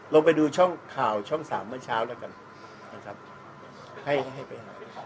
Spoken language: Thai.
ลงไปดูช่องข่าวช่องสามเมื่อเช้าแล้วกันนะครับให้ให้ไปหา